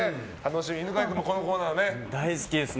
犬飼君も、このコーナーね。